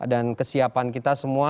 dan kesiapan kita semua